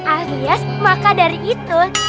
ok masalah su sinful